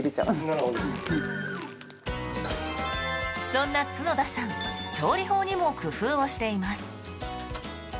そんな角田さん調理法にも工夫をしています。